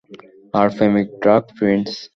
আর প্রেমিক dark Prince.